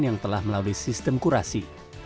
yang telah melalui sistem kurasi